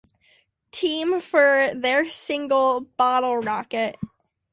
Team for their single "Bottle Rocket".